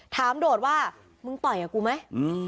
โดดว่ามึงต่อยกับกูไหม